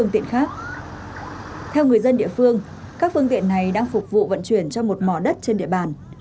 theo người dân địa phương các phương tiện này đang phục vụ vận chuyển cho một mỏ đất trên địa bàn